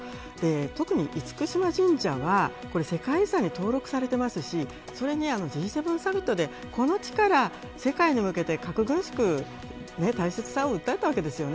特に、厳島神社は世界遺産に登録されていますしＧ７サミットでこの地から世界に向けて核軍縮の大切さを訴えたわけです。